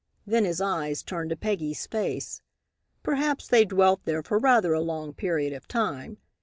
Then his eyes turned to Peggy's face. Perhaps they dwelt there for rather a long period of time.